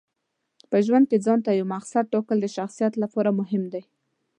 په ژوند کې ځانته یو مقصد ټاکل د شخصیت لپاره مهم دي.